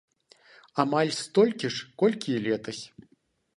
Амаль столькі ж, колькі і летась.